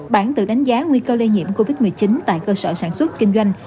bản tự đánh giá nguy cơ lây nhiễm covid một mươi chín tại cơ sở sản xuất kinh doanh